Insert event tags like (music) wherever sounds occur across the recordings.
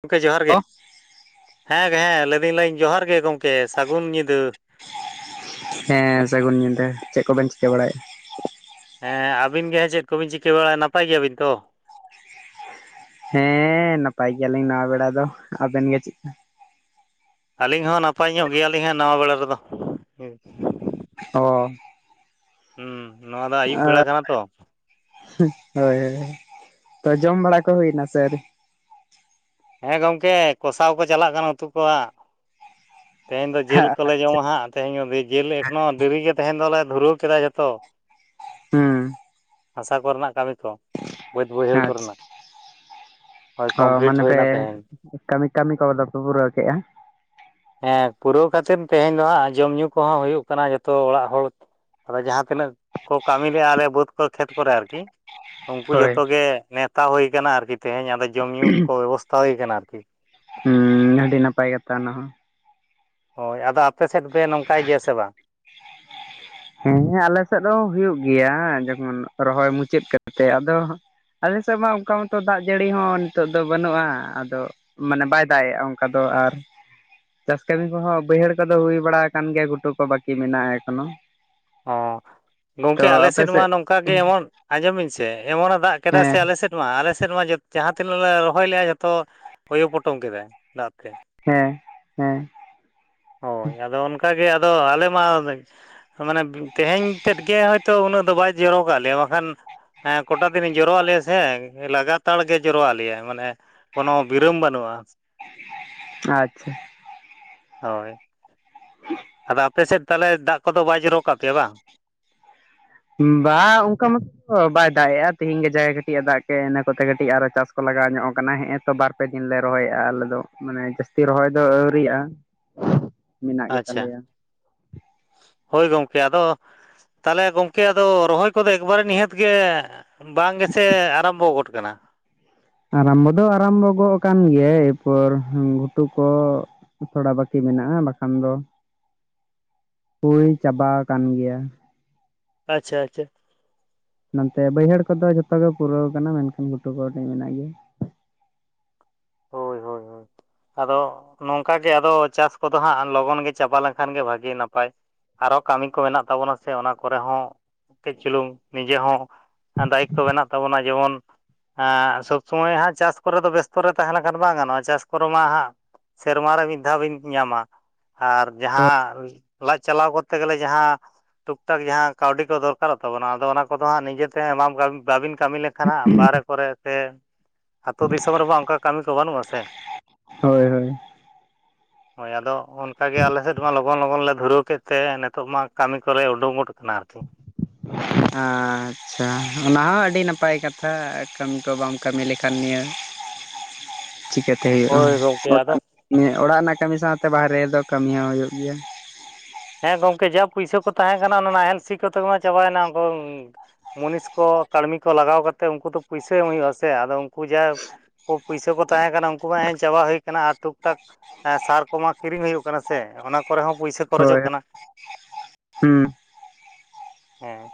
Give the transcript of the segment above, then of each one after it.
ᱜᱚᱢᱠᱮ ᱡᱚᱦᱟᱨ ᱜᱮ ᱦᱮᱸ ᱜᱮ ᱦᱮᱸ ᱞᱟᱹᱭ ᱫᱤᱧ ᱞᱟᱭ ᱡᱚᱦᱟᱨ ᱜᱮ ᱜᱚᱢᱠᱮ ᱥᱟᱹᱜᱩᱱ ᱧᱤᱫᱟᱹ᱾ ᱦᱮᱸ ᱥᱟᱹᱜᱩᱱ ᱧᱤᱫᱟᱹ ᱪᱮᱫ ᱠᱚᱵᱮᱱ ᱪᱤᱠᱟᱹ ᱵᱟᱲᱟᱭᱮᱫᱟ᱾ ᱦᱮᱸ ᱟᱹᱵᱤᱱ ᱜᱮ ᱦᱟᱜ ᱪᱮᱫ ᱠᱚᱵᱤᱱ ᱪᱤᱠᱟᱹ ᱵᱟᱲᱟᱭᱟ ᱱᱟᱯᱟᱭ ᱜᱮᱭᱟᱵᱤᱱ ᱛᱚ? ᱦᱮᱸ ᱱᱟᱯᱟᱭ ᱜᱮᱭᱟᱞᱤᱧ ᱱᱟᱣᱟ ᱵᱮᱲᱟ ᱫᱚ ᱟᱵᱮᱱ ᱜᱮ ᱪᱮᱫᱠᱟ? ᱟᱹᱞᱤᱧ ᱦᱚᱸ ᱱᱟᱯᱟᱭ ᱧᱚᱜ ᱜᱮᱭᱟᱞᱤᱧ ᱦᱟᱹᱜ ᱱᱟᱣᱟ ᱵᱮᱲᱟ ᱨᱮᱫᱚ᱾ (unintelligible) ᱜ (inaudible) ᱦᱩᱸ ᱱᱚᱣᱟ ᱫᱚ ᱟᱹᱭᱩᱵ ᱵᱮᱲᱟ ᱠᱟᱱᱟ ᱛᱚ᱾ ᱦᱳᱭ ᱦᱳᱭ ᱛᱚ ᱡᱚᱢ ᱵᱟᱲᱟ ᱠᱚ ᱦᱩᱭᱱᱟ ᱥᱮ ᱟᱣᱨᱤ᱾ ᱦᱮᱸ ᱜᱚᱢᱠᱮ ᱠᱚᱥᱟᱣ ᱠᱚ ᱪᱟᱞᱟᱜ ᱠᱟᱱᱟ ᱩᱛᱩ ᱠᱚᱣᱟᱜ ᱛᱮᱦᱮᱧ ᱫᱚ ᱡᱮᱞ ᱠᱚᱞᱮ ᱡᱚᱢᱟ ᱦᱟᱸᱜ᱾ ᱛᱮᱦᱮᱧᱫᱤ ᱡᱤᱞ (unintelligible) ᱮᱠᱷᱚᱱᱳ ᱰᱮᱨᱤᱜ ᱜᱮ ᱛᱮᱦᱮᱧ ᱫᱚᱞᱮ ᱫᱷᱩᱨᱟᱹᱣ ᱠᱮᱫᱟ ᱡᱚᱛᱚ᱾ ᱦᱩᱸ᱾ ᱦᱟᱥᱟ ᱠᱚᱨᱮᱱᱟᱜ ᱠᱟᱹᱢᱤ ᱠᱚ ᱵᱟᱹᱫᱽ ᱵᱟᱹᱭᱦᱟᱹᱲ ᱟᱪᱪᱷᱟ ᱠᱚᱨᱮᱱᱟᱜ ᱦᱳᱭ ᱚ ᱠᱚᱢᱯᱞᱤᱴ ᱢᱟᱱᱮ ᱯᱮ ᱦᱩᱭᱱᱟ᱾ ᱛᱮᱦᱮᱧ ᱠᱟᱹᱢᱤ ᱠᱟᱹᱢᱤ ᱠᱚᱫᱚ ᱠᱚ ᱯᱩᱨᱟᱹᱣ ᱠᱮᱫᱟ᱾ ᱦᱮᱸ ᱯᱩᱨᱟᱹᱣ ᱠᱟᱛᱮᱫ ᱛᱮᱦᱮᱧ ᱫᱚ ᱦᱟᱸᱜ ᱡᱚᱢᱼ ᱧᱩ ᱠᱚᱦᱚᱸ ᱦᱩᱭᱩᱜ ᱠᱟᱱᱟ ᱡᱚᱛᱚ ᱚᱲᱟᱜ ᱦᱚᱲ᱾ ᱟᱫᱚ ᱡᱟᱦᱟᱸ ᱛᱤᱱᱟᱹᱜ ᱠᱚ ᱠᱟᱹᱢᱤ ᱞᱮᱜᱼᱟ ᱟᱞᱮ ᱵᱟᱹᱫᱽ ᱠᱚ ᱠᱷᱮᱛ ᱠᱚᱨᱮ ᱟᱨᱠᱤ᱾ ᱩᱱᱠᱩ ᱦᱳᱭ ᱡᱷᱚᱛᱚ ᱜᱮ ᱱᱮᱣᱛᱟ ᱦᱩᱭ ᱠᱟᱱᱟ ᱟᱨᱠᱤ ᱛᱮᱦᱮᱧ ᱟᱫᱚ ᱡᱚᱢ ᱧᱩᱩ ᱠᱚ ᱵᱮᱵᱚᱥᱛᱷᱟ ᱦᱩᱭ ᱠᱟᱱᱟ ᱟᱨᱠᱤ᱾ ᱦᱩᱸ ᱟᱹᱰᱤ ᱱᱟᱯᱟᱭ ᱠᱟᱛᱷᱟ ᱚᱱᱟᱦᱚᱸ᱾ ᱦᱳᱭ ᱟᱫᱚ ᱟᱯᱮ ᱥᱮᱫ ᱜᱮ ᱱᱚᱝᱠᱟᱭ ᱜᱮᱭᱟ ᱥᱮ ᱵᱟᱝ? ᱦᱮᱸ ᱟᱞᱮ ᱥᱮᱫ ᱫᱚ ᱦᱩᱭᱩᱜ ᱜᱮᱭᱟ ᱡᱮᱢᱚᱱ ᱨᱚᱦᱚᱭ ᱢᱩᱪᱟᱹᱫ ᱠᱟᱛᱮ ᱟᱫᱚᱼᱼ ᱟᱞᱮ ᱥᱮᱫ ᱢᱟ ᱚᱱᱠᱟ ᱢᱚᱛᱚ ᱫᱟᱜ ᱡᱟᱹᱲᱤ ᱦᱚᱸ ᱱᱤᱛᱚᱜ ᱫᱚ ᱵᱟᱹᱱᱩᱜᱼᱟ, ᱟᱫᱚ ᱢᱟᱱᱮ ᱵᱟᱭ ᱫᱟᱜ ᱮᱜᱼᱟ ᱚᱱᱠᱟ ᱫᱚ ᱟᱨ ᱾ ᱪᱟᱥ ᱠᱟᱹᱢᱤ ᱠᱚᱦᱚᱸ ᱵᱟᱹᱭᱦᱟᱹᱲ ᱠᱚᱫᱚ ᱦᱩᱭ ᱵᱟᱲᱟ ᱟᱠᱟᱱ ᱜᱮᱭᱟ ᱜᱷᱩᱴᱩ ᱠᱚ ᱵᱟᱹᱠᱤ ᱢᱮᱱᱟᱜᱼᱟ ᱮᱠᱷᱚᱱᱳ ᱾ ᱚᱻ ᱜᱚᱝᱠᱮ ᱟᱞᱮ ᱥᱮᱫ ᱢᱟ ᱱᱚᱝᱠᱟ ᱜᱮ ᱮᱢᱚᱱ ᱟᱸᱡᱚᱢ ᱵᱤᱱ ᱥᱮ ᱮᱢᱚᱱᱮ ᱫᱟᱜ ᱠᱮᱫᱟ ᱥᱮ ᱦᱮᱸ ᱟᱞᱮ ᱥᱮᱫ ᱱᱚᱣᱟ ᱟᱞᱮ ᱥᱮᱫ ᱢᱟ ᱡᱟᱦᱟᱸ ᱛᱤᱱᱟᱹᱜ ᱞᱮ ᱨᱚᱦᱚᱭ ᱞᱮᱼᱟ ᱡᱷᱚᱛᱚ ᱳᱭᱳ ᱯᱚᱴᱚᱢ ᱠᱮᱫᱟ ᱫᱟᱜ ᱛᱮ᱾ ᱦᱮᱸ ᱦᱮᱸ ᱾ ᱦᱳᱭ ᱟᱫᱚ ᱚᱱᱠᱟᱜᱮ ᱟᱫᱚ ᱟᱞᱮ ᱢᱟ ᱢᱟᱱᱮ ᱛᱮᱹᱦᱮᱧ ᱛᱮᱫ ᱜᱮ ᱦᱚᱭᱛᱳ ᱩᱱᱟᱹᱜ ᱫᱚ ᱵᱟᱭ ᱡᱚᱨᱚ ᱠᱟᱜ ᱞᱮᱭᱟ ᱵᱟᱝᱠᱷᱟᱱ ᱦᱮᱸ ᱠᱚᱴᱟ ᱫᱤᱱ ᱡᱚᱨᱚ ᱞᱮᱭᱟ ᱥᱮ ᱞᱟᱜᱟᱛᱟᱨ ᱜᱮ ᱡᱚᱨᱚ ᱟᱜ ᱞᱮᱭᱟ ᱢᱟᱱᱮ ᱠᱳᱱᱳ ᱵᱤᱨᱚᱢ ᱵᱟᱹᱱᱩᱜᱼᱟ ᱾ ᱟᱪᱪᱷᱟ ᱾ ᱦᱳᱭ ᱾ ᱟᱫᱚ ᱟᱯᱮ ᱥᱮᱫ ᱛᱟᱦᱚᱞᱮ ᱫᱟᱜ ᱠᱚᱫᱚ ᱵᱟᱭ ᱡᱚᱨᱚ ᱠᱟᱜ ᱯᱮᱭᱟ ᱵᱟᱝ? ᱵᱟᱝ ᱚᱱᱠᱟ ᱢᱟ ᱚ ᱵᱟᱭ ᱫᱟᱜ ᱮᱼᱟ ᱛᱤᱦᱤᱧ ᱜᱮ ᱡᱟ ᱠᱟᱹᱴᱤᱡ ᱮ ᱫᱟᱜ ᱠᱮᱜ ᱤᱱᱟ ᱠᱚᱛᱮ ᱠᱟᱹᱴᱤᱡ ᱟᱨᱚ ᱪᱟᱥ ᱠᱚ ᱞᱟᱜᱟᱣ ᱧᱚᱜ ᱠᱟᱱᱟ ᱦᱮᱸ ᱛᱚ ᱵᱟᱨ ᱵᱟᱨ ᱯᱮ ᱫᱤᱱ ᱞᱮ ᱨᱚᱦᱚᱭᱮᱫᱼᱟ ᱟᱞᱮ ᱫᱚ ᱢᱟᱱᱮ ᱡᱟᱹᱥᱛᱤ ᱨᱚᱦᱚᱭ ᱫᱚ ᱟᱹᱣᱨᱤᱭᱟᱜᱼᱟ᱾ ᱢᱮᱱᱟᱜ ᱟᱪᱪᱷᱟ, ᱜᱮᱛᱟᱞᱮᱭᱟ ᱦᱳᱭ ᱜᱚᱝᱠᱮ ᱟᱫᱚ ᱛᱟᱦᱚᱞᱮ ᱜᱚᱝᱠᱮ ᱟᱫᱚ ᱨᱚᱦᱚᱭ ᱠᱚᱫᱚ ᱮᱠᱵᱟᱨᱮ ᱱᱤᱦᱟᱹᱛ ᱜᱮ ᱵᱟᱝ ᱜᱮᱥᱮ ᱟᱨᱟᱢᱵᱚ ᱜᱚᱫ ᱠᱟᱱᱟ? ᱟᱨᱟᱢᱵᱚ ᱫᱚ ᱟᱨᱟᱢᱵᱚ ᱜᱚᱜ ᱟᱠᱟᱱ ᱜᱮᱭᱟ ᱮᱨᱯᱚᱨ ᱜᱷᱩᱴᱩ ᱠᱚ ᱛᱷᱚᱲᱟ ᱵᱟᱹᱠᱤ ᱢᱮᱱᱟᱜᱼᱟ ᱵᱟᱠᱷᱟᱱ ᱫᱚ ᱦᱩᱭ ᱪᱟᱵᱟ ᱟᱠᱟᱱ ᱜᱮᱭᱟ ᱾ ᱟᱪᱪᱷᱟ ᱟᱪᱪᱷᱟ ᱾ ᱱᱚᱛᱮ ᱵᱟᱹᱭᱦᱟᱹᱲ ᱠᱚᱫᱚ ᱡᱷᱚᱛᱚ ᱜᱮ ᱯᱩᱨᱟᱹᱣ ᱠᱟᱱᱟ ᱢᱮᱱᱠᱷᱟᱱ ᱜᱷᱩᱴᱩ ᱠᱚ ᱠᱟᱴᱤᱡ ᱢᱮᱱᱟᱜ ᱜᱮᱭᱟ᱾ ᱦᱳᱭ ᱦᱳᱭ ᱦᱳᱭ ᱾ ᱟᱫᱚ ᱱᱚᱝᱠᱟ ᱜᱮ ᱟᱫᱚ ᱪᱟᱥ ᱠᱚᱫᱚ ᱦᱟᱸᱜ ᱞᱚᱜᱚᱱ ᱜᱮ ᱪᱟᱵᱟ ᱞᱮᱱᱠᱷᱟᱱ ᱜᱮ ᱵᱷᱟᱜᱤ ᱱᱟᱯᱟᱭ ᱟᱨᱚ ᱠᱟᱹᱢᱤ ᱠᱚ ᱢᱮᱱᱟᱜ ᱛᱟᱵᱚᱱᱟ ᱥᱮ ᱚᱱᱟ ᱠᱚᱨᱮ ᱦᱚᱸ ᱠᱟᱹᱡ ᱪᱩᱞᱩᱝ ᱱᱤᱡᱮ ᱦᱚᱸ ᱫᱟᱭᱤᱛᱛᱚ ᱢᱮᱱᱟᱜ ᱛᱟᱵᱚᱱᱟ ᱡᱮᱢᱚᱱ ᱮᱻ ᱥᱚᱵ ᱥᱚᱢᱚᱭ ᱦᱟᱸᱜ ᱪᱟᱥ ᱠᱚᱨᱮ ᱫᱚ ᱵᱮᱥᱛᱚ ᱨᱮ ᱛᱟᱦᱮᱸ ᱞᱮᱱᱠᱷᱟᱱ ᱵᱟᱝ ᱜᱟᱱᱚᱜᱼᱟ ᱪᱟᱥ ᱠᱚᱨᱮ ᱢᱟ ᱦᱟᱸᱜ ᱥᱮᱨᱢᱟ ᱨᱮ ᱢᱤᱫ ᱫᱷᱟᱣ ᱵᱤᱱ ᱧᱟᱢᱟ ᱟᱨ ᱛᱚ ᱡᱟᱦᱟᱸ ᱞᱟᱡ ᱪᱟᱞᱟᱣ ᱠᱚᱨᱛᱮ ᱜᱮᱞᱮ ᱡᱟᱦᱟᱸ ᱴᱩᱠ ᱴᱟᱠ ᱡᱟᱦᱟᱸ ᱠᱟᱹᱣᱰᱤ ᱠᱚ ᱫᱚᱨᱠᱟᱨᱚᱜ ᱛᱟᱵᱚᱱᱟ ᱟᱫᱚ ᱚᱱᱟ ᱠᱚᱫᱚ ᱦᱟᱸᱜ ᱱᱤᱡᱮᱛᱮ ᱮᱢᱟᱢ ᱵᱟᱵᱤᱱ ᱠᱟᱹᱢᱤ ᱞᱮᱠᱷᱟᱱ ᱠᱷᱟᱱ ᱦᱟᱸᱜ ᱵᱟᱨᱦᱨᱮ ᱠᱚᱨᱮ ᱥᱮ ᱟᱹᱛᱩᱳ ᱫᱤᱥᱚᱢ ᱨᱮᱢᱟ ᱚᱱᱠᱟ ᱠᱟᱹᱢᱤ ᱠᱚ ᱵᱟᱹᱱᱩᱜᱼᱟ ᱥᱮ ᱾ ᱦᱳᱭ ᱦᱳᱭ ᱾ ᱦᱳᱭ ᱟᱫᱚ ᱚᱱᱠᱟᱜᱮ ᱟᱞᱮ ᱥᱮᱫ ᱢᱟ ᱞᱚᱜᱚᱱ ᱞᱚᱜᱚᱱ ᱞᱮ ᱫᱷᱩᱨᱟᱹᱣ ᱠᱮᱫ ᱛᱮ ᱱᱤᱛᱚᱜ ᱢᱟ ᱠᱟᱹᱢᱤ ᱠᱚᱞᱮ ᱩᱰᱩᱝ ᱜᱚᱫ ᱠᱟᱱᱟ ᱟᱨᱠᱤ ᱾ (unintelligible) ᱟᱪᱪᱷᱟ ᱚᱱᱟ ᱦᱚᱸ ᱟᱹᱰᱤ ᱱᱟᱯᱟᱭ ᱠᱟᱛᱷᱟ ᱠᱟᱹᱢᱤ ᱠᱚ ᱵᱟᱢ ᱠᱟᱹᱢᱤ ᱞᱮᱠᱷᱟᱱ ᱱᱤᱭᱟᱹ (unintelligible) ᱪᱤᱠᱟᱹᱛᱮ ᱦᱚᱭᱩᱜ-ᱟ ᱦᱳᱭ ᱜᱚᱢᱠᱮ ᱟᱫᱚ (unintelligible) ᱚᱲᱟᱜ ᱨᱮᱱᱟᱜ ᱠᱟᱹᱢᱤ ᱥᱟᱶᱛᱮ ᱵᱟᱦᱨᱮ ᱨᱮᱫᱚ ᱠᱟᱹᱢᱤ ᱦᱚᱸ ᱦᱩᱭᱩᱜ ᱜᱮᱭᱟ ᱾ ᱦᱮᱸ ᱜᱚᱝᱠᱮ ᱡᱟ ᱯᱩᱭᱥᱟᱹ ᱠᱚ ᱛᱟᱦᱮᱸ ᱠᱟᱱᱟ, ᱚᱱᱟ ᱱᱟᱦᱮᱞ ᱥᱤ ᱠᱚᱛᱮ ᱜᱮ ᱢᱟ ᱪᱟᱵᱟᱭᱮᱱᱟ ᱾ ᱢᱩᱱᱤᱥ ᱠᱚ ᱠᱟᱹᱲᱢᱤ ᱠᱚ ᱞᱟᱜᱟᱣ ᱠᱟᱛᱮᱫ ᱩᱱᱠᱩ ᱫᱚ ᱯᱩᱭᱥᱟᱹ ᱮᱢ ᱦᱩᱭᱩᱜᱼᱟ ᱥᱮ ᱟᱫᱚ ᱩᱱᱠᱩ ᱡᱟ ᱯᱩᱭᱥᱟᱹ ᱠᱚ ᱛᱟᱦᱮᱸ ᱠᱟᱱᱟ ᱩᱱᱠᱩ ᱢᱟ ᱮᱡ ᱪᱟᱵᱟ ᱦᱩᱭ ᱠᱟᱱᱟ ᱟᱨ ᱴᱩᱠ ᱴᱟᱠ ᱥᱟᱨ ᱠᱚᱢᱟ ᱠᱤᱨᱤᱧ ᱦᱩᱭᱩᱜ ᱠᱟᱱᱟ ᱥᱮ, ᱚᱱᱟ ᱠᱚᱨᱮ ᱦᱚᱸ ᱯᱩᱭᱥᱟ ᱠᱷᱚᱨᱚᱪᱚᱜ ᱦᱳᱭ ᱠᱟᱱᱟ ᱦᱩᱸ ᱾ ᱦᱮᱸ,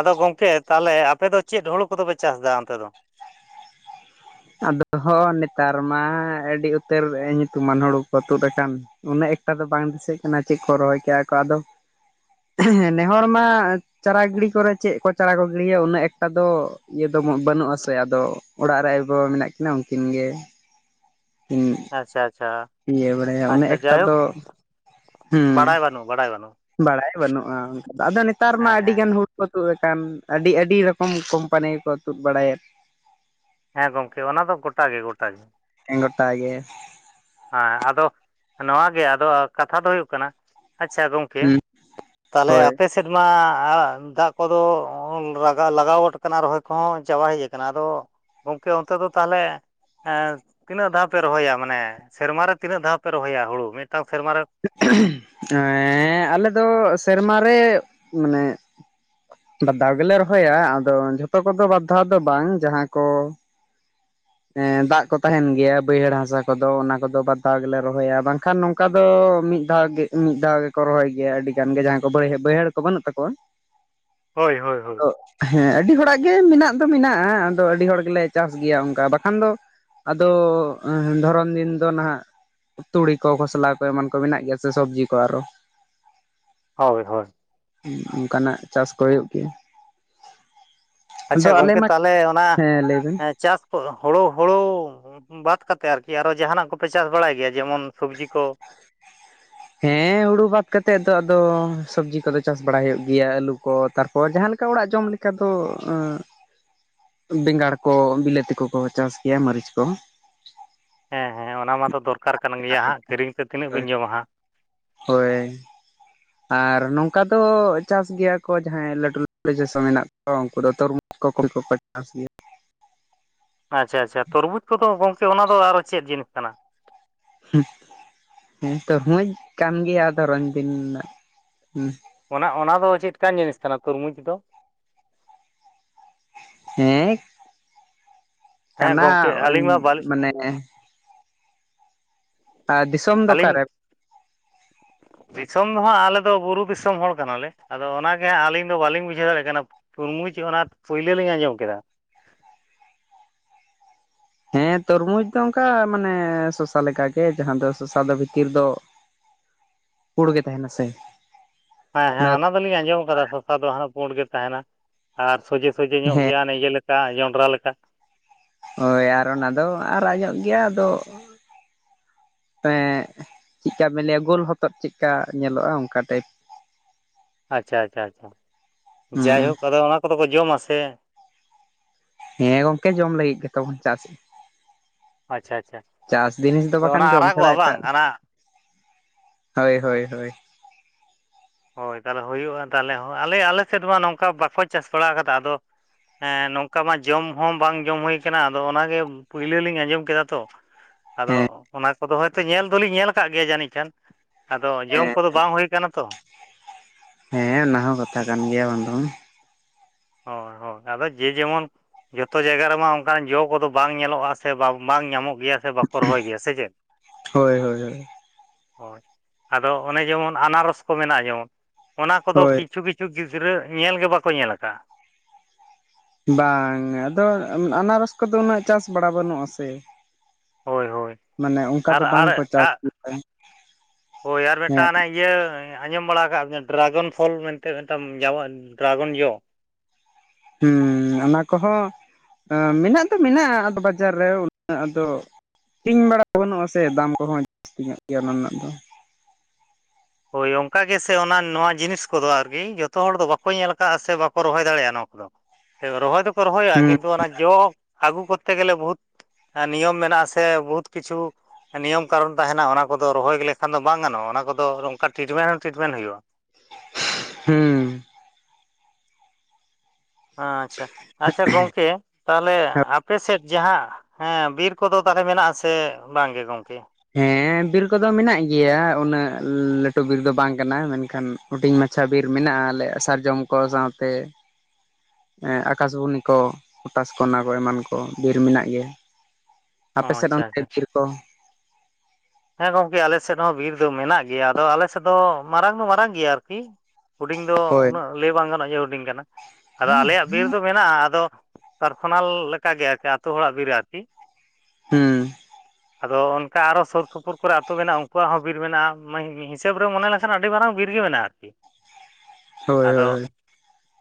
ᱟᱫᱚ ᱜᱚᱝᱠᱮ ᱛᱟᱦᱚᱞᱮ ᱟᱯᱮ ᱫᱚ ᱪᱮᱫ ᱦᱩᱲᱩ ᱠᱚᱫᱚ ᱯᱮ ᱪᱟᱥ ᱫᱟ ᱚᱱᱛᱮ ᱫᱚ? ᱟᱫᱚ ᱦᱚᱸ ᱱᱮᱛᱟᱨ ᱢᱟ ᱟᱹᱰᱤ ᱩᱛᱟᱹᱨ ᱧᱩᱛᱩᱢᱟᱱ ᱦᱩᱲᱩ ᱠᱚ ᱛᱩᱫ ᱟᱠᱟᱱ ᱾ ᱩᱱᱟᱹᱜ ᱮᱠᱴᱟ ᱫᱚ ᱵᱟᱝ ᱫᱤᱥᱟᱹᱜ ᱠᱟᱱᱟ ᱪᱮᱫ ᱠᱚ ᱨᱚᱦᱚᱭ ᱠᱟᱜ-ᱟ ᱠᱚ ᱟᱫᱚ, ᱱᱮᱦᱚᱲ ᱢᱟ ᱪᱟᱨᱟ ᱜᱤᱲᱤ ᱠᱚᱨᱮ ᱪᱮᱫ ᱠᱚ ᱪᱟᱨᱟ ᱠᱚ ᱜᱤᱲᱤᱭᱟ ᱩᱱᱟᱹᱜ ᱮᱠᱴᱟ ᱫᱚ ᱤᱭᱟᱹ ᱫᱚ ᱵᱟᱹᱱᱩᱜ ᱟᱥᱮ ᱟᱫᱚ ᱚᱲᱟᱜ ᱨᱮ ᱟᱭᱳᱼᱵᱟᱵᱟ ᱢᱮᱱᱟᱜ ᱠᱤᱱᱟᱹ, ᱩᱱᱠᱤᱱ ᱜᱮ ᱦᱮᱸ᱾ ᱟᱪᱪᱷᱟ ᱟᱪᱪᱷᱟ᱾ ᱤᱭᱟᱹ ᱵᱟᱲᱟᱭᱟ ᱩᱱᱟᱹᱜ ᱟᱪᱪᱷᱟ ᱮᱠᱴᱟ ᱡᱟᱭᱦᱳᱠ ᱫᱚ, ᱦᱮᱸ᱾ ᱵᱟᱲᱟᱭ ᱵᱟᱹᱱᱩᱜ ᱵᱟᱲᱟᱭ ᱵᱟᱹᱱᱩᱜ ᱵᱟᱲᱟᱭ ᱵᱟᱹᱱᱩᱜᱼᱟ, ᱟᱫᱚ ᱱᱮᱛᱟᱨ ᱢᱟ ᱦᱮᱸ ᱟᱹᱰᱤ ᱦᱮᱸ ᱜᱟᱱ ᱦᱩ ᱠᱚ ᱛᱩᱫ ᱟᱠᱟᱱ ᱟᱹᱰᱤ ᱟᱹᱰᱤ ᱨᱚᱠᱚᱢ ᱠᱳᱢᱯᱟᱱᱤ ᱜᱮᱠᱚ ᱛᱩᱫ ᱵᱟᱲᱟᱭᱮᱫ᱾ ᱦᱮᱸ ᱜᱚᱝᱠᱮ ᱚᱱᱟ ᱫᱚ ᱜᱚᱴᱟ ᱜᱮ ᱜᱚᱴᱟ ᱜᱮ᱾ ᱮᱸ ᱜᱚᱴ ᱜᱮ᱾ ᱦᱮᱸ ᱟᱫᱚ ᱱᱚᱣᱟ ᱜᱮ ᱟᱫᱚ ᱠᱟᱛᱷᱟ ᱫᱚ ᱦᱩᱭᱩᱜ ᱠᱟᱱᱟ ᱟᱪᱪᱷᱟ ᱜᱚᱝ ᱠᱮ ᱦᱩᱸ ᱛᱟᱦᱚᱞᱮ ᱦᱳᱭ ᱟᱯᱮ ᱥᱮ ᱥᱮᱫᱢᱟ ᱟᱻ ᱫᱟᱜ ᱠᱚᱫᱚ ᱞᱟᱜᱟ ᱞᱟᱜᱟᱣ ᱜᱚᱫ ᱠᱟᱱᱟ ᱨᱚᱦᱚᱭ ᱠᱚ ᱦᱚᱸ ᱪᱟᱵᱟ ᱦᱮᱡ ᱟᱠᱟᱱᱟ ᱟᱫᱚ ᱜᱚᱝᱠᱮ ᱚᱱᱛᱮ ᱫᱚ ᱛᱟᱦᱚᱞᱮ ᱮᱸ ᱛᱤᱱᱟᱹᱜ ᱫᱷᱟᱣ ᱯᱮ ᱨᱚᱦᱚᱭᱟ ᱢᱟᱱᱮ ᱥᱮᱨᱢᱟ ᱨᱮ ᱛᱤᱱᱟᱹᱜ ᱫᱷᱟᱣ ᱯᱮ ᱨᱚᱦᱚᱭᱟ ᱦᱩᱲᱩ, ᱢᱤᱫᱴᱟᱝ ᱥᱮᱨᱢᱟᱨ ᱨᱮ? ᱦᱮᱸᱻ ᱟᱞᱮ ᱫᱚ ᱥᱮᱨᱢᱟ ᱨᱮ ᱢᱟᱱᱮ ᱵᱟᱫᱷᱟᱣ ᱜᱮᱞᱮ ᱨᱚᱦᱚᱭᱟ ᱟᱫᱚ ᱡᱷᱚᱛᱚ ᱠᱚᱫᱚ ᱵᱟᱨᱫᱷᱟᱣ ᱫᱚ ᱵᱟᱝ ᱾ ᱡᱟᱦᱟᱸ ᱠᱚ (inaudible) ᱮᱸ ᱫᱟᱜ ᱠᱚ ᱛᱟᱦᱮᱱ ᱜᱮᱭᱟ ᱵᱟᱹᱭᱦᱟᱹᱲ ᱦᱟᱥᱟ ᱠᱚᱫᱚ ᱚᱱᱟ ᱠᱚᱫᱚ ᱵᱟᱨ ᱫᱷᱟᱣ ᱜᱮᱞᱮ ᱨᱚᱦᱚᱭᱟ, ᱵᱟᱝᱠᱷᱟᱱ ᱱᱚᱝᱠᱟ ᱫᱚᱻ ᱢᱤᱫ ᱫᱷᱟᱣ ᱜᱮ ᱢᱤᱫ ᱫᱷᱟᱣ ᱜᱮᱠᱚ ᱨᱚᱦᱚᱭ ᱜᱮᱭᱟ ᱟᱹᱰᱤ ᱜᱟᱱ ᱜᱮ ᱡᱟᱦᱟᱸᱭ ᱠᱚ ᱵᱟᱹᱲ ᱵᱟᱹᱭᱦᱟᱹᱲ ᱠᱚ ᱵᱟᱹᱱᱩᱜ ᱛᱟᱠᱚᱣᱟ᱾ (inaudible) ᱦᱳᱭ ᱦᱳᱭ ᱟᱫᱚ ᱦᱮᱸ, ᱟᱹᱰᱤ ᱦᱚᱲᱟᱜ ᱜᱮ ᱢᱮᱱᱟᱜ ᱫᱚ ᱢᱮᱱᱟᱜᱼᱟ ᱟᱫᱚ ᱟᱹᱰᱤ ᱦᱚᱲ ᱜᱮᱞᱮ ᱪᱟᱥ ᱜᱮᱭᱟ ᱚᱝᱠᱟ ᱾ ᱵᱟᱠᱷᱟᱱ ᱫᱚ ᱟᱫᱚ ᱮᱸ ᱫᱷᱚᱨᱚᱱ ᱫᱤᱱ ᱫᱚ ᱱᱟᱦᱟᱜ ᱛᱩᱲᱤ ᱠᱚ, ᱠᱷᱚᱥᱞᱟ ᱠᱚ ᱮᱢᱟᱱ ᱠᱚ ᱢᱮᱱᱟᱜ ᱜᱮᱭᱟ ᱥᱮ ᱥᱚᱵᱽᱡᱤ ᱠᱚ ᱟᱨᱚ᱾ ᱦᱳᱭ ᱦᱳᱭ᱾ ᱦᱩᱸ ᱚᱝᱠᱟᱱᱟᱜ ᱪᱟᱥ ᱠᱚ ᱦᱩᱭᱩᱜ ᱜᱮᱭᱟ᱾ ᱟᱪᱪᱷᱟ ᱟᱫᱚ ᱟᱞᱮ ᱜᱚᱝᱠᱮ ᱢᱟ ᱛᱟᱦᱚᱞᱮ ᱚᱱᱟ ᱦᱮᱸ ᱞᱟᱹᱭ ᱵᱮᱱ ᱮ ᱪᱟ ᱦᱳᱲᱳ ᱦᱩᱲᱳ ᱵᱟᱫ ᱠᱟᱛᱮᱫ ᱟᱨᱠᱤ ᱟᱨᱚ ᱡᱟᱦᱟᱱᱟᱜ ᱠᱚᱯᱮ ᱪᱟᱥ ᱵᱟᱲᱟᱭ ᱜᱮᱭᱟ ᱡᱮᱢᱚᱱ ᱥᱚᱵᱽᱡᱤ ᱠᱚ? ᱦᱮᱸ ᱦᱩᱲᱩ ᱵᱟᱫ ᱠᱟᱛᱮᱫ ᱫᱚ ᱟᱫᱚ ᱥᱚᱵᱽᱡᱤ ᱠᱚᱫᱚ ᱪᱟᱥ ᱵᱟᱲ ᱦᱩᱭᱩᱜ ᱜᱮᱭᱟ, ᱟᱹᱞᱩ ᱠᱚ ᱛᱟᱨᱯᱚᱨ ᱡᱟᱦᱟᱸ ᱞᱮᱠᱟ ᱚᱲᱟᱜ ᱡᱚᱢ ᱞᱮ ᱠᱟ ᱫᱚ ᱟᱸ (inaudible) ᱵᱮᱸᱜᱟᱲ ᱠᱚ ᱵᱤᱞᱟᱹᱛᱤ ᱠᱚ ᱠᱚ ᱪᱟᱥ ᱜᱮᱭᱟ ᱢᱟᱹᱨᱤᱪ ᱠᱚ᱾ ᱦᱮᱸ ᱦᱮᱸ ᱚᱱᱟ ᱢᱟᱛᱚ ᱫᱚᱨᱠᱟᱨ ᱠᱟᱱ ᱜᱮᱭᱟ ᱦᱟᱸᱜ ᱠᱤᱨᱤᱧ ᱛᱮ ᱛᱤᱱᱟᱹᱜ ᱵᱤᱱ ᱡᱚᱢᱟ ᱦᱟᱸᱜ᱾ ᱦᱳᱭ᱾ ᱟᱨ ᱱᱚᱝᱠᱟ ᱫᱚ ᱪᱟᱥ ᱜᱮᱭᱟ ᱠᱚ ᱡᱟᱦᱟᱸᱭ ᱞᱟᱹᱴᱩ ᱞᱟᱹᱴᱩ ᱪᱟᱥᱚ ᱢᱮᱱᱟᱜ ᱠᱚ ᱩᱝᱠᱩ ᱫᱚ ᱛᱚᱨᱢᱩᱡ ᱠᱚ ᱠᱚᱯᱤ ᱠᱚᱠᱚ ᱪᱟᱥ ᱜᱮᱭᱟ ᱾ ᱟᱪᱪᱷᱟ ᱟᱪᱪᱷᱟ ᱛᱚᱨᱵᱩᱡᱽ ᱠᱚᱫᱚ ᱜᱚᱝᱠᱮ ᱚᱱᱟ ᱫᱚ ᱟᱨᱚ ᱪᱮᱫ ᱡᱤᱱᱤᱥ ᱠᱟᱱᱟ? ᱦᱩᱸ ᱦᱮᱸ ᱛᱩᱨᱢᱩᱡ ᱠᱟᱱ ᱜᱮᱭᱟ ᱟᱫᱚ ᱫᱷᱚᱨᱚᱱ ᱫᱤᱱ ᱱᱟᱜ ᱦᱩᱸ᱾ ᱚᱱᱟ ᱚᱱᱟ ᱫᱚ ᱪᱮᱫ ᱠᱟᱱ ᱡᱤᱱᱤᱥ ᱠᱟᱱᱟ ᱛᱩᱨᱢᱩᱡᱽ ᱫᱚ? ᱦᱮᱸ ᱦᱮᱸ ᱠᱟᱱᱟ ᱜᱚᱢᱠᱮ ᱚᱧ ᱟᱹᱞᱤᱧ ᱢᱟ ᱵᱟᱹᱞᱤᱧ ᱢᱟᱱᱮ ᱫᱤᱥᱚᱢ ᱫᱚ ᱟᱞᱤᱧ ᱚᱠᱟᱨᱮ ᱫᱤᱥᱚᱢ ᱫᱚ ᱦᱟᱸᱜ ᱟᱞᱮ ᱫᱚ ᱵᱩᱨᱩ ᱫᱤᱥᱚᱢ ᱦᱚᱲ ᱠᱟᱱᱟᱞᱮ ᱟᱫᱚ ᱚᱱᱟ ᱜᱮ ᱦᱟᱸᱜ ᱟᱹᱞᱤᱧ ᱫᱚ ᱵᱟᱹᱞᱤᱧ ᱵᱩᱡᱷᱟᱹᱣ ᱫᱟᱲᱮᱭᱟᱜ ᱠᱟᱱᱟ᱾ ᱛᱩᱨᱢᱩᱡᱽ ᱚᱱᱟ ᱯᱟᱹᱭᱞᱟᱹ ᱞᱤᱧ ᱟᱸᱡᱚᱢ ᱠᱮᱫᱟ᱾ ᱦᱮᱸ ᱛᱚᱨᱢᱩᱡᱽ ᱫᱚ ᱚᱝᱠᱟ ᱢᱟᱱᱮ ᱥᱚᱥᱟ ᱞᱮᱠᱟ ᱜᱮ ᱡᱟᱦᱟᱸ ᱫᱚ ᱥᱚᱥᱟ ᱫᱚ ᱵᱷᱤᱛᱤᱨ ᱫᱚ ᱯᱩᱲ ᱜᱮ ᱛᱟᱦᱮᱸᱱᱟ ᱥᱮ᱾ ᱦᱮᱸ ᱦᱮᱸ ᱚᱱᱟ ᱫᱚᱞᱤᱧ ᱟᱸᱡᱚᱢ ᱠᱟᱫᱟ ᱥᱚᱥᱟ ᱫᱚ ᱦᱟᱸᱜ ᱯᱩᱸᱰ ᱜᱮ ᱛᱟᱦᱮᱱᱟ, ᱟᱨ ᱥᱚᱡᱷᱮ ᱥᱚᱡᱷᱮ ᱧᱚᱜ ᱦᱮᱸ ᱜᱮᱭᱟ ᱚᱱᱮ ᱤᱭᱟᱹ ᱞᱮᱠ ᱠᱟ ᱡᱚᱸᱱᱰᱨᱟ ᱞᱮᱠᱟ᱾ ᱦᱳᱭ ᱟᱨ ᱚᱱᱟ ᱫᱚ ᱟᱨᱟᱜ ᱧᱚᱜ ᱜᱮᱭᱟ ᱟᱫᱚ ᱛᱟᱦᱮᱸᱜ ᱪᱤᱜᱠᱟ ᱵᱮᱱ ᱞᱟᱹᱭᱟ ᱜᱳᱞ ᱦᱚᱛᱚᱫ ᱪᱤᱜᱠᱟ ᱧᱮᱞᱚᱜ-ᱟ ᱚᱱᱠᱟ ᱴᱟᱭᱤᱯ᱾ ᱟᱪᱪᱷᱟ ᱟᱪᱪᱷᱟ ᱟᱪᱪᱷᱟ ᱦᱩᱸ ᱡᱟᱭᱦᱳᱠ ᱟᱫᱚ ᱚᱱᱟ ᱠᱚᱫᱚ ᱠᱚ ᱡᱚᱢᱟ ᱥᱮ ᱦᱮᱸ ᱜᱚᱝᱠᱮ ᱡᱚᱢ ᱞᱟᱹᱜᱤᱫ ᱜᱮᱛᱚ ᱵᱚᱱ ᱪᱟᱥᱮᱜ-ᱟ᱾ ᱟᱪᱪᱷᱟ ᱟᱪᱪᱷᱟ ᱪᱟᱥ ᱡᱤᱱᱤᱥ ᱫᱚ ᱟᱫᱚ ᱵᱟᱠᱷᱟᱱ ᱚᱱᱟ ᱡᱚᱢ ᱪᱷᱟᱲᱟ ᱟᱨᱟᱜᱚᱜᱼᱟ ᱵᱟᱝ ᱮᱴᱟᱜ ᱚᱱᱟ ᱦᱳᱭ ᱦᱳᱭ ᱦᱳᱭ᱾ ᱦᱳᱭ ᱛᱟᱦᱞᱮ ᱦᱩᱭᱩᱜᱼᱟ ᱛᱟᱦᱞᱮ ᱦᱚᱸ ᱟᱞᱮ ᱟᱞᱮ ᱥᱮᱫ ᱢᱟ ᱱᱚᱝᱠᱟ ᱵᱟᱠᱚ ᱪᱟᱥ ᱵᱟᱲᱟ ᱟᱠᱟᱫᱟ ᱟᱫᱚ ᱦᱮᱸ ᱱᱚᱝᱠᱟ ᱢᱟ ᱡᱚᱢ ᱦᱚᱸ ᱵᱟᱝ ᱡᱚᱢ ᱦᱳᱭ ᱠᱟᱱᱟ ᱟᱫᱚ ᱚᱱᱟᱜᱮ᱾ ᱯᱟᱹᱭᱞᱟᱹ ᱞᱤᱧ ᱟᱸᱡᱚᱢ ᱠᱮᱫᱟ ᱛᱚ᱾ ᱟᱫᱚ ᱦᱮᱸ ᱚᱱᱟ ᱠᱚᱫᱚ ᱦᱳᱭᱛᱳ ᱧᱮᱞ ᱫᱚᱞᱤᱧ ᱧᱮᱞ ᱠᱟᱜ ᱜᱮᱭᱟ ᱡᱟᱹᱱᱤᱡ ᱠᱷᱟᱱ᱾ ᱟᱫᱚ ᱡᱚᱢ ᱦᱮᱸ ᱠᱚᱫᱚ ᱵᱟᱝ ᱦᱳᱭ ᱠᱟᱱᱟ ᱛᱚ᱾ ᱦᱮᱸ ᱚᱱᱟ ᱦᱚᱸ ᱠᱟᱛᱷᱟ ᱠᱟᱱ ᱜᱮᱭᱟ ᱵᱟᱝ ᱫᱚ ᱵᱟᱝ᱾ ᱦᱚᱸ ᱦᱚᱸ ᱟᱫᱚ ᱡᱮ ᱡᱮᱢᱚᱱ᱾ ᱡᱚᱛᱚ ᱡᱟᱭᱜᱟ ᱨᱮᱢᱟ ᱚᱱᱠᱟᱱ ᱡᱚ ᱠᱚᱫᱚ ᱵᱟᱝ ᱧᱮᱞᱚᱜ-ᱟ ᱥᱮ ᱵᱟᱝ ᱧᱟᱢᱚᱜ ᱜᱮᱭᱟ ᱥᱮ ᱵᱟᱠᱚ ᱨᱚᱦᱚᱭ ᱜᱮᱭᱟ ᱥᱮ ᱪᱮᱫ? ᱦᱳᱭ ᱦᱳᱭ ᱦᱳᱭ᱾ ᱦᱚᱭ ᱟᱫᱚ ᱚᱱᱮ ᱡᱮᱢᱚᱱ ᱟᱱᱟᱨᱚᱥ ᱠᱚ ᱢᱮᱱᱟᱜ-ᱟ ᱡᱮᱢᱚᱱ ᱚᱱᱟ ᱠᱚᱫᱚ ᱦᱳᱭ ᱠᱤᱪᱷᱩ ᱠᱤ ᱠᱤᱪᱷᱩ ᱜᱤᱫᱽᱨᱟᱹ ᱧᱮᱞ ᱜᱮ ᱵᱟᱠᱚ ᱧᱮᱞ ᱟᱠᱟᱜ-ᱟ᱾ ᱵᱟᱝ ᱟᱫᱚ ᱟᱱᱟᱨᱚᱥ ᱠᱚᱫᱚ ᱩᱱᱟᱹᱜ ᱪᱟᱥ ᱵᱟᱲᱟ ᱵᱟᱹᱱᱩᱜ-ᱟ ᱥᱮ᱾ ᱦᱳᱭ ᱦᱳᱭ ᱢᱟᱱᱮ ᱚᱱᱠᱟ ᱟᱨ ᱫᱚ ᱵᱟᱝ ᱟᱨ ᱠᱚ ᱪᱟᱥ (unintelligible) ᱦᱳᱭ ᱟᱨ ᱦᱮᱸ ᱢᱤᱫᱴᱟᱝ ᱚᱱᱮ ᱤᱭᱟᱹ᱾ ᱟᱸᱡᱚᱢ ᱵᱟᱲᱟ ᱠᱟᱜ ᱜᱮᱭᱟ ᱰᱨᱟᱜᱚᱱ ᱯᱷᱚᱞ ᱢᱮᱱᱛᱮ ᱢᱤᱫᱴᱟᱝ ᱧᱟᱢᱚᱜ-ᱟ ᱰᱨᱟᱜᱚᱱ ᱡᱚ᱾ ᱦᱩᱸᱻ ᱚᱱᱟ ᱠᱚᱦᱚᱸ ᱢᱮᱱᱟᱜ ᱫᱚ ᱢᱮᱱᱟᱜ-ᱟ ᱟᱫᱚ ᱵᱟᱡᱟᱨ ᱨᱮ ᱩᱱᱟᱹᱜ ᱟᱫᱚ ᱠᱤᱧ ᱵᱟᱲᱟ ᱠᱚ ᱵᱟᱹᱱᱩᱜ-ᱟ ᱥᱮ ᱫᱟᱢ ᱠᱚᱦᱚᱸ ᱡᱟᱹᱥᱛᱤ ᱧᱚᱜ ᱜᱮᱭᱟ ᱚᱱᱟ ᱨᱮᱱᱟᱜ ᱫᱚ᱾ ᱦᱳᱭ ᱚᱱᱠᱟ ᱜᱮ ᱥᱮ ᱚᱱᱟ ᱱᱚᱣᱟ ᱡᱤᱱᱤᱥ ᱠᱚᱫᱚ ᱟᱨᱠᱤ ᱡᱚᱛᱚ ᱦᱚᱲ ᱫᱚ ᱵᱟᱠᱚ ᱧᱮᱞ ᱟᱠᱟ-ᱟ ᱥᱮ ᱵᱟᱠᱚ ᱨᱚᱦᱚᱭ ᱫᱟᱲᱮᱭᱟᱜ-ᱟ ᱱᱚᱸ ᱨᱚᱦᱚᱭ ᱫᱚᱠᱚ ᱨᱚᱦᱚᱭᱟ ᱦᱩᱸ ᱠᱤᱱᱛᱩ ᱚᱱᱟ ᱡᱚ ᱟᱹᱜᱩ ᱠᱚᱨᱛᱮ ᱜᱮᱞᱮ ᱵᱚᱦᱩᱛ᱾ ᱮᱸ ᱱᱤᱭᱚᱢ ᱢᱮᱱᱟᱜ-ᱟ ᱥᱮ ᱵᱚᱦᱩᱛ ᱠᱤᱪᱷᱩ᱾ ᱱᱤᱭᱚᱢ ᱠᱟᱱᱩᱱ ᱛᱟᱦᱮᱱᱟ ᱚᱱᱟ ᱠᱚᱫᱚ ᱨᱚᱦᱚᱭ ᱞᱮᱠᱷᱟᱱ ᱫᱚ ᱵᱟᱝ ᱜᱟᱱᱚᱜᱼᱟ, ᱚᱱᱟ ᱠᱚᱫᱚ ᱚᱱᱠᱟ ᱴᱤᱴᱢᱮᱱᱴ ᱦᱚᱸ ᱴᱤᱴᱢᱮᱱᱴ ᱦᱩᱭᱩᱜ-ᱟ᱾ ᱦᱩᱸᱻ ᱦᱟᱸ ᱟᱪᱪᱷᱟ, ᱟᱪᱪᱷᱟ ᱜᱚᱝᱠᱮ ᱛᱟᱦᱞᱮ ᱟᱯᱮ ᱥᱮᱫ ᱡᱟᱦᱟᱸ ᱦᱮᱸ ᱵᱤᱨ ᱠᱚᱫᱚ ᱛᱟᱦᱞᱮ ᱢᱮᱱᱟᱜ ᱟᱥᱮ ᱵᱟᱝ ᱜᱮ ᱜᱚᱝᱠᱮ? ᱦᱮᱸ ᱵᱤᱨ ᱠᱚᱫᱚ ᱢᱮᱱᱟᱜ ᱜᱮᱭᱟ, ᱩᱱᱟᱹᱜ ᱞᱟᱹᱴᱩ ᱵᱤᱨ ᱫᱚ ᱵᱟᱝ ᱠᱟᱱᱟ ᱢᱮᱱᱠᱷᱟᱱ ᱦᱩᱸᱰᱤᱧ ᱢᱟᱪᱷᱟ ᱵᱤᱨ ᱢᱮᱱᱟᱜ-ᱟ, ᱟᱞᱮ ᱥᱟᱨᱡᱚᱢ ᱠᱚ ᱥᱟᱶ ᱛᱮ᱾ ᱮᱸ ᱟᱠᱟᱥᱵᱚᱱᱤ ᱠᱚ, ᱯᱚᱴᱟᱥ ᱠᱚ, ᱚᱱᱟ ᱠᱚ ᱮᱢᱟᱱ ᱠᱚ ᱵᱤᱨ ᱢᱮᱱᱟᱜ ᱜᱮᱭᱟ᱾ ᱚ ᱟᱯᱮ ᱥᱮᱫ ᱟᱪᱪᱷᱟ ᱚᱱᱛᱮ ᱟᱪᱪᱷᱟ ᱵᱤᱨ ᱠᱚ? ᱦᱮᱸ ᱜᱚᱢᱠᱮ ᱟᱞᱮ ᱥᱮᱫ ᱦᱚᱸ ᱵᱤᱨ ᱫᱚ ᱢᱮᱱᱟᱜ ᱜᱮᱭᱟ ᱟᱫᱚ ᱟᱞᱮ ᱥᱮᱫ ᱫᱚ, ᱢᱟᱨᱟᱝ ᱫᱚ ᱢᱟᱨᱟᱝ ᱜᱮᱭᱟ ᱟᱨᱠᱤ᱾ ᱦᱩᱰᱤᱧ ᱫᱚ ᱦᱳᱭ ᱩᱱᱟᱹᱜ ᱞᱟᱹᱭ ᱵᱟᱝ ᱜᱟᱱᱚᱜ-ᱟ ᱡᱮ ᱦᱩᱰᱤᱧ ᱠᱟᱱᱟ, ᱟᱫᱚ ᱟᱞᱮᱭᱟᱜ ᱵᱤᱨ᱾ ᱫᱚ ᱢᱮᱱᱟᱜᱼᱟ ᱟᱫᱚ, ᱯᱟᱨᱥᱚᱱᱟᱞ ᱞᱮᱠᱟ ᱜᱮ ᱟᱨ ᱟᱛᱳ ᱦᱚᱲᱟᱜ ᱵᱤᱨ ᱟᱨᱠᱤ᱾ ᱦᱩᱸᱻ ᱟᱫᱚ ᱚᱱᱠᱟ ᱟᱨᱚ ᱥᱳᱨ ᱥᱩᱯᱩᱨ ᱠᱚᱨᱮ ᱟᱛᱳ ᱢᱮᱱᱟᱜᱼᱟ ᱩᱱᱠᱩᱣᱟᱜ ᱦᱚᱸ ᱵᱤᱨ ᱢᱮᱱᱟᱜᱼᱟ, ᱦᱤᱥᱟᱹᱵᱽ ᱨᱮ ᱢᱚᱱᱮ ᱞᱮᱱᱠᱷᱟᱱ ᱟᱹᱰᱤ ᱢᱟᱨᱟᱝ ᱵᱤᱨ ᱜᱮ ᱢᱮᱱᱟᱜᱼᱟ ᱟᱨᱠᱤ᱾ ᱦᱳᱭ ᱦᱳᱭ ᱟᱫᱚ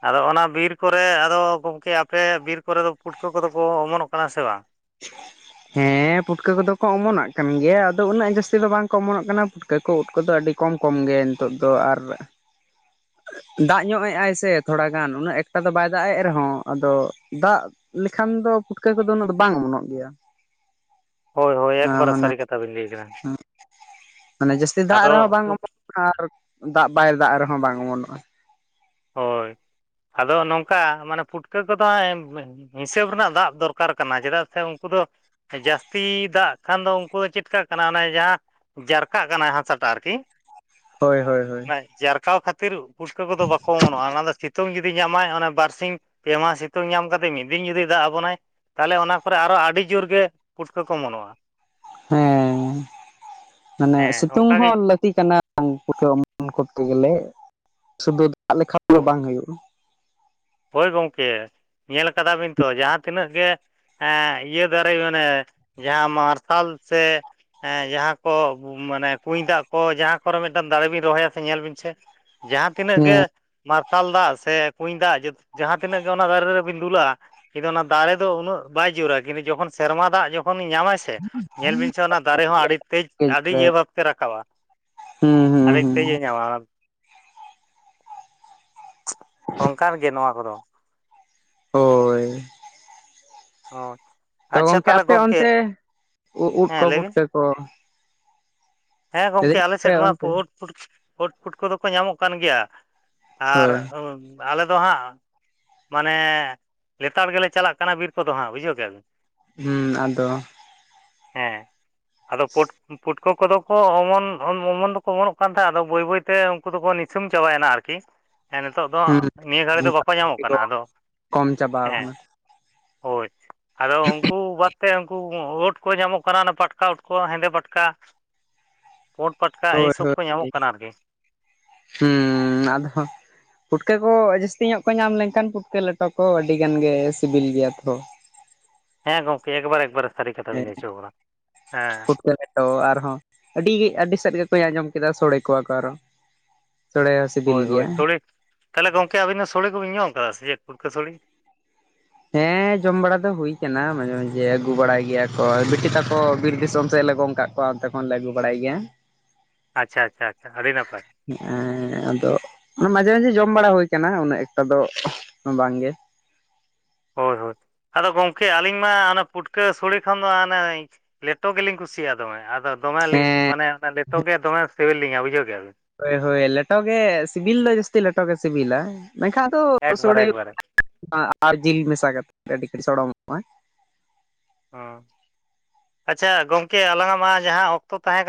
ᱟᱫᱚ ᱚᱱᱟ ᱵᱤᱨ ᱠᱚᱨᱮ ᱟᱫᱚ ᱜᱚᱢᱠᱮ ᱟᱯᱮ ᱵᱤᱨ ᱠᱚᱨᱮ ᱫᱚ ᱯᱩᱴᱠᱟᱹ ᱠᱚ ᱫᱚ ᱠᱚ ᱚᱢᱚᱱᱚᱜ ᱠᱟᱱᱟ ᱥᱮ ᱵᱟᱝ? (inaudible) ᱦᱮᱸ ᱯᱩᱴᱠᱟᱹ ᱠᱚᱫᱚ ᱠᱚ ᱚᱢᱚᱱᱟᱜ ᱠᱟᱱ ᱜᱮᱭᱟ ᱟᱫᱚ ᱩᱱᱟᱹᱜ ᱡᱟᱹᱥᱛᱤ ᱫᱚ ᱵᱟᱝ ᱠᱚ ᱚᱢᱚᱱᱚᱜ ᱠᱟᱱᱟ ᱯᱩᱴ- ᱛᱮ ᱠᱚ ᱩᱫ ᱠᱚᱫᱚ ᱟᱹᱰᱤ ᱠᱚᱢ ᱠᱚᱢ ᱜᱮ ᱱᱤᱛᱚᱜ ᱫᱚ ᱟᱨ ᱫᱟᱜ ᱧᱚᱜ ᱮᱜᱼᱟᱭ ᱥᱮ ᱛᱷᱚᱲᱟ ᱜᱟᱱ ᱩᱱᱟᱹᱜ ᱮᱠᱴᱟ ᱫᱚ ᱵᱟᱭ ᱫᱟᱜ ᱮᱫ ᱨᱮᱦᱚᱸ ᱟᱫᱚ ᱫᱟᱜ ᱞᱮᱠᱷᱟᱱ ᱫᱚ ᱯᱩᱴᱠᱟᱹ ᱠᱚᱫᱚ ᱩᱱᱟᱹᱜ ᱫᱚ ᱵᱟᱝ ᱚᱢᱚᱱᱚᱜ ᱜᱮᱭᱟ ᱾ ᱦᱳᱭ ᱦᱳᱭ ᱮᱠᱵᱟᱨᱮ ᱥᱟᱹᱨᱤ ᱠᱟᱛᱷᱟ ᱵᱤᱱ ᱞᱟᱹᱭ ᱟᱠᱟᱫᱟ ᱾ ᱢᱟᱱᱮ ᱡᱟᱹᱥᱛᱤ ᱫᱟᱜ ᱨᱮᱦᱚᱸ ᱵᱟᱝ ᱚ (unintelligible) ᱟᱨ ᱫᱟᱜ ᱵᱟᱭ ᱫᱟᱜ ᱨᱮᱦᱚᱸ ᱵᱟᱝ ᱚᱢᱚᱱᱚᱜᱼᱟ ᱾ ᱦᱳᱭ ᱟᱫᱚ ᱱᱚᱝᱠᱟ ᱢᱟᱱᱮ ᱯᱩᱴᱠᱟᱹ ᱠᱚᱫᱚ ᱦᱚᱸᱜᱼᱚᱸᱭ (unintelligible) ᱦᱤᱥᱟᱹᱵ ᱨᱮᱱᱟᱜ ᱫᱟᱜ ᱫᱚᱨᱠᱟᱨ ᱠᱟᱱᱟ ᱪᱮᱫᱟᱜ ᱥᱮ ᱩᱝᱠᱩ ᱫᱚ ᱡᱟᱹᱥᱛᱤ ᱫᱟᱜ ᱠᱷᱟᱱ ᱫᱚ ᱩᱸᱠᱩ ᱫᱚ ᱪᱮᱫ ᱠᱟᱫ ᱠᱟᱱᱟ ᱚᱱᱮ ᱡᱟᱦᱟᱸ ᱡᱟᱨᱠᱟᱜ ᱠᱟᱱᱟᱭ ᱦᱟᱥᱟᱴᱟᱜ ᱟᱨᱠᱤ ᱦᱳᱭ ᱦᱳᱭ ᱦᱳᱭ᱾ ᱚᱱᱟ ᱡᱟᱨᱠᱟᱣ ᱠᱷᱟᱹᱛᱤᱨ ᱯᱩᱥᱠᱟᱹ ᱠᱚᱫᱚ ᱵᱟᱠᱚ ᱚᱢᱚᱱᱚᱜᱼᱟ ᱚᱱᱟ ᱫᱚ ᱥᱤᱛᱩᱝ ᱡᱩᱫᱤ ᱧᱟᱢᱼᱟᱭ ᱚᱱᱮ ᱵᱟᱨ ᱥᱤᱧ ᱯᱮ ᱢᱟᱦᱟ ᱥᱤᱛᱩᱝ ᱧᱟᱢ ᱠᱟᱛᱮ ᱢᱤᱫ ᱫᱤᱱ ᱡᱩᱫᱤ ᱫᱟᱜ ᱟᱵᱚᱱᱟᱭ ᱛᱟᱦᱮᱞᱮ ᱚᱱᱟ ᱠᱚᱨᱮ ᱟᱨᱚ ᱟᱹᱰᱤ ᱡᱩᱨ ᱜᱮ ᱯᱩᱴᱠᱟᱹ ᱠᱚ ᱚᱢᱚᱱᱚᱜᱼᱟ ᱾ ᱦᱮᱸ ᱢᱟᱱᱮ ᱦᱮᱸ ᱥᱤᱛᱩᱝ ᱚᱱᱠᱟᱜᱮ ᱦᱚᱸ ᱞᱟᱹᱠ- ᱛᱤ ᱠᱟᱱᱟ ᱩᱝᱠᱩ ᱫᱚ ᱚᱢᱚᱱ ᱠᱚᱨᱛᱮ ᱜᱮᱞᱮ, ᱥᱩᱫᱩ ᱫᱟᱜ ᱞᱮᱠᱷᱟᱱ ᱫᱚ ᱵᱟᱝ ᱦᱳᱭᱳᱜᱼᱟ ᱾ ᱦᱳᱭ ᱜᱚᱝᱠᱮ ᱧᱮᱞ ᱟᱠᱟᱫᱟ ᱵᱤᱱ ᱛᱚ ᱡᱟᱦᱟᱸ ᱛᱤᱱᱟᱹᱜ ᱜᱮ ᱦᱮᱸ ᱤᱭᱟᱹ ᱫᱟᱨᱮ ᱢᱟᱱᱮ ᱡᱟᱦᱟᱸ ᱢᱟᱨᱥᱟᱞ ᱥᱮ ᱦᱮᱸ ᱡᱟᱦᱟᱸ ᱠᱚ ᱵᱩ ᱢᱟᱱᱮ ᱠᱩᱧ ᱫᱟᱜ ᱠᱚ ᱡᱟᱦᱟᱸ ᱠᱚᱨᱮ ᱢᱤᱫ ᱫᱟᱹᱢ ᱫᱟᱨᱮ ᱵᱤᱱ ᱨᱚᱦᱚᱭᱟ ᱥᱮ ᱧᱮᱞ ᱵᱤᱱ ᱥᱮ ᱡᱟᱦᱟᱸ ᱛᱤᱱᱟᱹᱜ ᱜᱮ ᱦᱮᱸ ᱢᱟᱨᱥᱟᱞ ᱫᱟᱜ ᱥᱮ ᱠᱩᱧ ᱫᱟᱜ ᱡᱩᱫᱤ ᱡᱟᱦᱟᱸ ᱛᱤᱱᱟᱹᱜ ᱜᱮ ᱚᱱᱟ ᱫᱟᱨᱮ ᱨᱮᱵᱤᱱ ᱫᱩᱞᱟᱜᱼᱟ ᱠᱤᱱᱛᱩ ᱚᱱᱟ ᱫᱟᱨᱮ ᱫᱚ ᱩᱱᱟᱹᱜ ᱵᱟᱭ ᱡᱩᱨᱼᱟ ᱠᱤᱱᱛᱩ ᱡᱚᱠᱷᱚᱱ ᱥᱮᱨᱢᱟ ᱫᱟᱜ ᱡᱚᱠᱷᱚᱱ ᱧᱟᱢᱼᱟᱭ ᱥᱮ ᱥᱮ ᱧᱮᱞ ᱵᱤᱱ ᱥᱮ ᱚᱱᱟ ᱫᱟᱨᱮ ᱦᱚᱸ ᱟᱹᱰᱤ ᱛᱮᱡ ᱟᱹᱰᱤ ᱤᱭᱟᱹ ᱵᱷᱟᱵᱽ ᱛᱮ ᱨᱟᱠᱟᱵᱼᱟ ᱾ ᱦᱩᱸ ᱦᱩᱸ ᱾ ᱟᱹᱰᱤ ᱛᱮᱡᱽᱼᱮ ᱧᱟᱢᱟ ᱟᱱᱟ ᱫᱚ, ᱚᱝᱠᱟᱱ ᱜᱮ ᱱᱚᱣᱟ ᱦᱚᱨᱚᱼᱼ ᱦᱳᱭ ᱦᱚᱭ, ᱛᱚ ᱜᱚᱝᱠᱮ ᱟᱯᱮ ᱚᱱᱛᱮ ᱩ ᱩᱫ ᱠᱚ ᱦᱮᱸ ᱞᱟᱹᱭ ᱵᱤᱱ ᱯᱩᱴᱠᱟᱹ ᱠᱚ ᱦᱮᱸ ᱜᱚᱝᱠᱮ ᱞᱟᱹᱭᱫᱟᱞᱤᱧ ᱟᱞᱮ ᱟᱯᱮ ᱥᱟᱹᱭᱤᱰ ᱢᱟ ᱯᱩ ᱚᱱᱛᱮ ᱩᱰᱼᱯᱩᱰᱩᱠ ᱩᱫ ᱯᱩᱴᱠᱟᱹ ᱫᱚᱠᱚ ᱧᱟᱢᱚᱜ ᱠᱟᱱ ᱜᱮᱭᱟ ᱾ ᱟᱨ ᱦᱳᱭ ᱦᱩᱢ ᱟᱞᱮ ᱫᱚ ᱦᱟᱸᱜ ᱢᱟᱱᱮ ᱞᱮᱛᱟᱲ ᱜᱮᱞᱮ ᱪᱟᱞᱟᱜ ᱠᱟᱱᱟ ᱵᱤᱨ ᱠᱚᱫᱚ ᱦᱟᱸᱜ ᱵᱩᱡᱷᱟᱹᱣ ᱠᱮᱜ-ᱟ ᱵᱤᱱ ᱾ ᱦᱩᱸ ᱟᱫᱚ ᱦᱮᱸ ᱟᱫᱚ ᱯᱩᱴᱩᱠ ᱯᱩᱴᱩ ᱠᱚᱫᱚ ᱠᱚ ᱚᱢᱚᱱ, ᱚᱱᱼᱚᱢᱚᱱ ᱫᱚᱠᱚ ᱚᱢᱚᱱᱚᱜ ᱠᱟᱱ ᱛᱟᱦᱮᱸᱜᱼᱟ, ᱟᱫᱚ ᱵᱟᱹᱭ ᱵᱟᱹᱭᱛᱮ ᱩᱝᱠᱩ ᱫᱚᱠᱚ ᱱᱤᱥᱩᱢ ᱪᱟᱵᱟᱭᱮᱱᱟ ᱟᱨᱠᱤ ᱾ ᱦᱮᱸ ᱱᱤᱛᱚᱜ ᱫᱚ ᱦᱩᱸ ᱱᱤᱭᱟᱹ ᱜᱷᱟᱹᱲᱤ ᱫᱚ ᱵᱟᱠᱚ ᱧᱟᱢᱚᱜ ᱠᱟᱱᱟ, ᱠᱚ ᱟᱫᱚ ᱠᱚᱢ ᱪᱟᱵᱟᱣ ᱦᱮᱸ᱾ ᱠᱟᱱᱟ ᱦᱳᱭ ᱟᱫᱚ ᱩᱝᱠᱩ ᱵᱟᱫᱽ ᱛᱮ ᱩᱝᱠᱩ ᱠᱳᱸ ᱳᱴ ᱠᱚᱨᱮ ᱧᱟᱢᱚᱜ ᱠᱟᱱᱟ ᱚᱱᱟ ᱯᱟᱴᱠᱟ ᱩᱫ ᱠᱚ ᱦᱮᱸᱫᱮ ᱯᱟᱴᱠᱟ, ᱯᱳᱸᱰ ᱯᱟᱴᱠᱟ ᱮᱭ ᱦᱳᱭ ᱥᱚᱵ ᱠᱚ ᱧᱟᱢᱚᱜ ᱠᱟᱱᱟ ᱟᱨᱠᱤ ᱾ ᱦᱩᱸᱻ ᱟᱫᱚ ᱦᱚᱸ ᱯᱩᱴᱠᱟᱹ ᱠᱚ ᱡᱟᱹᱥᱛᱤ ᱧᱚᱜ ᱠᱚ ᱧᱟᱢ ᱞᱮᱝᱠᱷᱟᱱ ᱯᱩᱴᱠᱟᱹ ᱞᱮᱴᱚ ᱠᱚ ᱟᱹᱰᱤ ᱜᱟᱱ ᱜᱮ ᱥᱤᱵᱤᱞ ᱜᱮᱭᱟ ᱛᱷᱚ᱾ ᱦᱮᱸ ᱜᱚᱝᱠᱮ ᱮᱠᱵᱟᱨᱮ ᱮᱠᱵᱟᱨᱮ ᱥᱟᱹᱨᱤ ᱠᱟᱛᱷᱟ ᱵᱤᱱ ᱞᱟᱹᱭ ᱦᱚᱪᱚ ᱟᱠᱟᱫᱟ, ᱦᱮᱸ᱾ ᱛᱚ ᱟᱨᱦᱚᱸ ᱟᱹᱰᱤ ᱟᱹᱰᱤ ᱥᱮᱫ ᱜᱮᱛᱚᱧ ᱟᱸᱡᱚᱢ ᱠᱮᱫᱟ ᱥᱚᱲᱮ ᱠᱚᱣᱟ ᱠᱚ ᱟᱨᱦᱚᱸ, ᱥᱚᱲᱮ ᱦᱚᱸ ᱥᱤᱵᱤᱞ ᱦᱳᱭ ᱜᱮᱭᱟ᱾ ᱦᱳᱭ ᱥᱚᱲᱮ ᱛᱟᱦᱚᱞᱮ ᱜᱚᱝᱠᱮ ᱟᱹᱵᱤᱱ ᱫᱚ ᱥᱚᱲᱮ ᱠᱚᱵᱤᱱ ᱧᱚᱢ ᱟᱠᱟᱫᱟ ᱥᱮ ᱪᱮᱫ ᱯᱩᱴᱠᱟᱹ ᱥᱚᱲᱮ? ᱦᱮᱸ ᱡᱚᱢ ᱵᱟᱲᱟ ᱫᱚ ᱦᱩᱭ ᱠᱟᱱᱟ ᱢᱟᱸᱡᱷᱮ ᱢᱟᱸᱡᱷᱮ ᱟᱹᱜᱩ ᱵᱟᱲᱟᱭ ᱜᱮᱭᱟ ᱠᱚ ᱵᱤᱴᱤ ᱛᱟᱠᱚ ᱵᱤᱨ ᱫᱤᱥᱚᱢ ᱥᱮᱫ ᱞᱮ ᱜᱚᱝ ᱠᱟᱜ ᱛᱚ ᱚᱱᱛᱮ ᱠᱷᱚᱱ ᱟᱹᱜᱩ ᱵᱟᱲᱟᱭ ᱜᱮᱭᱟ ᱟᱪᱪᱷᱟ ᱟᱪᱪᱷᱟ ᱟᱪᱪᱷᱟ ᱟᱹᱰᱤ ᱱᱟᱯᱟᱭ ᱮᱸ ᱟᱫᱚ ᱢᱟᱡᱷᱮ ᱢᱟᱡᱷᱮ ᱡᱚᱢ ᱵᱟᱲᱟ ᱦᱩᱭ ᱠᱟᱱᱟ ᱩᱱᱟᱹᱜ ᱮᱠᱴᱟ ᱫᱚ ᱵᱟᱝ ᱜᱮ ᱦᱳᱭ ᱦᱳᱭ ᱟᱫᱚ ᱜᱚᱝᱠᱮ ᱟᱹᱞᱤᱧ ᱢᱟ ᱚᱱᱮ ᱯᱩᱴᱠᱟᱹ ᱥᱚᱲᱮ ᱠᱷᱚᱱ ᱫᱚ ᱦᱟᱱᱮ ᱞᱮᱴᱚ ᱜᱮᱞᱤᱧ ᱠᱩᱥᱤᱭᱟᱜ-ᱟ ᱫᱚᱢᱮ ᱟᱫᱚ ᱫᱚᱢ ᱞᱤᱧ ᱦᱮᱸ ᱢᱟᱱᱮ ᱞᱮᱴᱚ ᱜᱮ ᱫᱚᱢᱮ ᱥᱤᱵᱤᱞᱤᱧᱟ ᱵᱩᱡᱷᱟᱹᱣ ᱠᱮᱭᱟᱵᱤᱱ ᱦᱳᱭ ᱦᱳᱭ ᱞᱮᱴᱚ ᱜᱮ ᱥᱤᱵᱤᱞ ᱫᱚ ᱡᱟᱹᱥᱛᱤ ᱞᱮᱴᱚ ᱜᱮ ᱥᱤᱵᱤᱞᱟ ᱢᱮᱱᱠᱷᱟᱱ ᱫᱚ ᱮᱠᱵᱟᱨᱮ ᱥᱚᱲᱮ ᱮᱠᱵᱟᱨᱮ (inaudible) ᱟᱨ ᱡᱤᱞ ᱢᱮᱥᱟ ᱠᱟᱛᱮ ᱟᱹᱰᱤ ᱜᱮ ᱥᱚᱲᱚᱢ ᱚᱜ-ᱟ ᱚ ᱟᱪᱪᱷᱟ ᱜᱚᱝᱠᱮ ᱟᱞᱟᱝ ᱟᱜ ᱢᱟ ᱡᱟᱦᱟᱸ ᱚᱠᱛᱚ ᱛᱟᱦᱮᱸ ᱠᱟᱼᱼ